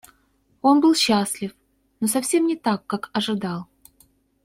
Он был счастлив, но совсем не так, как ожидал.